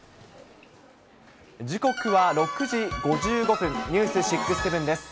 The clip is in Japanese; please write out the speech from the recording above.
時刻は６時５５分、ニュース６―７です。